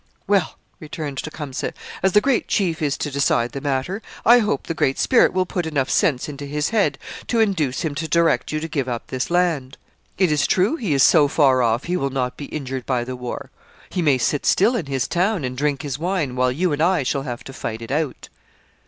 'Well,' returned Tecumseh, 'as the great chief is to decide the matter, I hope the Great Spirit will put enough sense into his head to induce him to direct you to give up this land. It is true he is so far off he will not be injured by the war; he may sit still in his town and drink his wine, while you and I shall have to fight it out.'